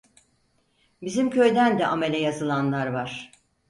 Bizim köyden de amele yazılanlar var.